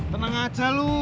tenang aja lu